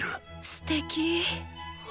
すてき。